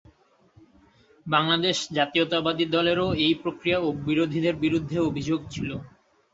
বাংলাদেশ জাতীয়তাবাদী দলেরও এই প্রক্রিয়া ও বিরোধীদের বিরুদ্ধে অভিযোগ ছিল।